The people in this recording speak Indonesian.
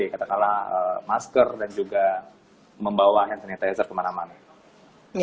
katakanlah masker dan juga membawa hand sanitizer kemana mana